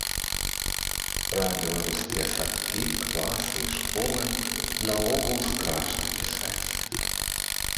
Пра беларускія садкі, класы і школы наогул страшна пісаць.